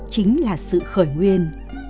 chính là sự khởi nguyên